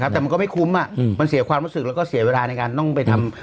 แต่มันก็ไม่คุ้มมันเสียความรู้สึกแล้วก็เสียเวลาในการต้องไปทำ